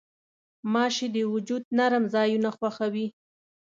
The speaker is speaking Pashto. غوماشې د وجود نرم ځایونه خوښوي.